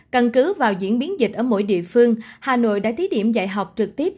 căn cứ vào diễn biến dịch ở mỗi địa phương hà nội đã thí điểm dạy học trực tiếp